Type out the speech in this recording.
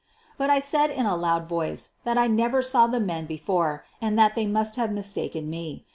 But I said in a loud voice that I never saw the men before, and that they must have mistaken me.